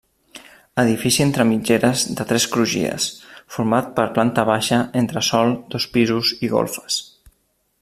Edifici entre mitgeres de tres crugies, format per planta baixa, entresòl, dos pisos i golfes.